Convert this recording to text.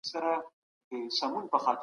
ولسمشر پټ قرارداد نه عملي کوي.